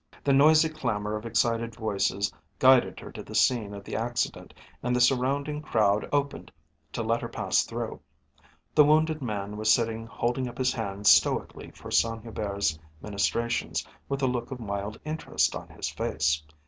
The noisy clamour of excited voices guided her to the scene of the accident, and the surrounding crowd opened to let her pass through. The wounded man was sitting holding up his hand stoically for Saint Hubert's ministrations with a look of mild interest on his face.